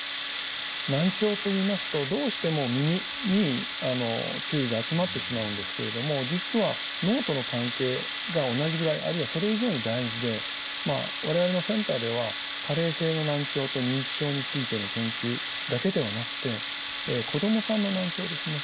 難聴といいますとどうしても耳に注意が集まってしまうんですけれども実は脳との関係が同じぐらいあるいはそれ以上に大事で我々のセンターでは加齢性の難聴と認知症についての研究だけではなくて子供さんの難聴ですね。